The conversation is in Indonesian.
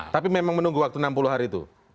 tapi memang menunggu waktu enam puluh hari itu